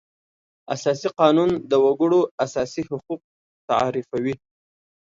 اساسي قانون د وکړو اساسي حقوق تعریفوي.